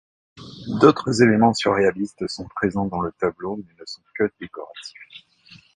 D'autres éléments surréalistes sont présents dans le tableau mais ne sont que décoratifs.